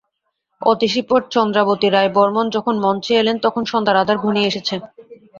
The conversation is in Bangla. অশীতিপর চন্দ্রাবতী রায় বর্মণ যখন মঞ্চে এলেন, তখন সন্ধ্যার আঁধার ঘনিয়ে এসেছে।